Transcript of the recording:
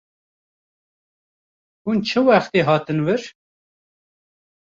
Hûn çê wextê hatin vir?